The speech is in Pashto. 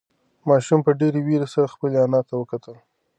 ماشوم په ډېرې وېرې سره خپلې انا ته وکتل.